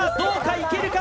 いけるか？